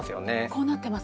こうなってます。